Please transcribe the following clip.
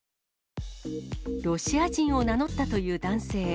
ロシア人を名乗ったという男性。